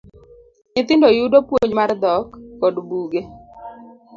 Nyithindo yudo puonj mar dhok kod buge.